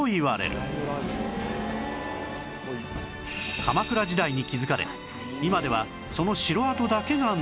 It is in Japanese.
鎌倉時代に築かれ今ではその城跡だけが残る